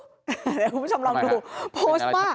เดี๋ยวคุณผู้ชมลองดูโพสต์ว่า